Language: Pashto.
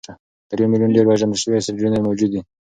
تر یو میلیون ډېر پېژندل شوي اسټروېډونه موجود دي.